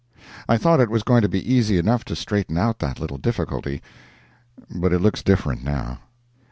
I thought it was going to be easy enough to straighten out that little difficulty, but it looks different now.